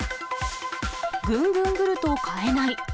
ぐんぐんグルト買えない。